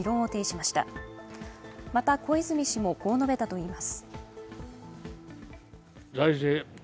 また、小泉氏もこう述べたといいます。